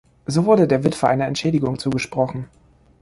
So wurde der Witwe eine Entschädigung zugesprochen.